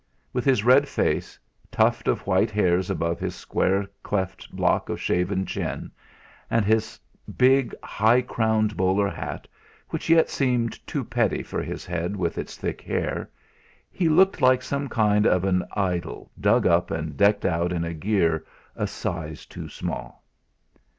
With his red face, tuft of white hairs above his square cleft block of shaven chin, and his big high crowned bowler hat, which yet seemed too petty for his head with its thick hair he looked like some kind of an idol dug up and decked out in gear a size too small.